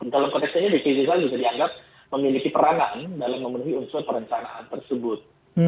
dalam konteks ini rikki rizal bisa dianggap memiliki perangan dalam memenuhi unsur perencanaan tersebut